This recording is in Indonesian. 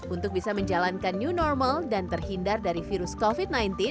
untuk bisa menjalankan new normal dan terhindar dari virus covid sembilan belas